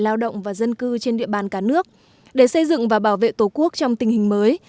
lao động và dân cư trên địa bàn cả nước để xây dựng và bảo vệ tổ quốc trong tình hình mới